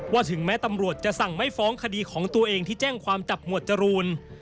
ถึงแม้ตำรวจจะสั่งไม่ฟ้องคดีของตัวเองที่แจ้งความจับหมวดจรูน